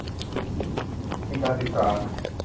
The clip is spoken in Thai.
สถิติการศึกษา